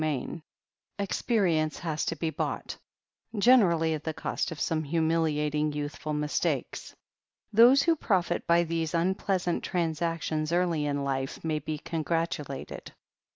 Ill Experience has to be bought, generally at the cost of some humiliating youthful mistakes. Those who profit by these unpleasant transactions early in life may be congratulated.